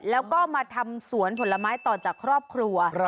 แล้วก็มาทำสวนผลไม้ต่อจากครอบครัว